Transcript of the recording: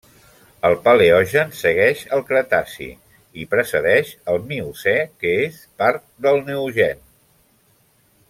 El Paleogen segueix el Cretaci i precedeix el Miocè, que és part del Neogen.